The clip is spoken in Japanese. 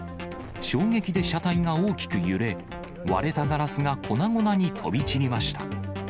衝撃で車体が大きく揺れ、割れたガラスが粉々に飛び散りました。